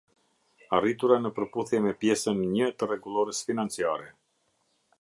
Arritura në përputhje me Pjesën Një të Rregullores Financiare..